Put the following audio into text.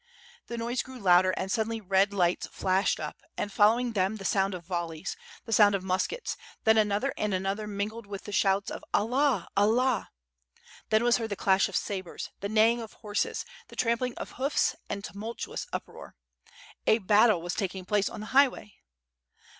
The noise grew louder, and suddenly red lights flashed up, and following them, the sound of volleys, the sound of muskets; then another and another mingled with shouts of "AlUah, Allah!" Then was heard the clash of sabres, the neighing of horses, the trampling of hoofs and tumultuous uproar. A battle was taking place on the highway.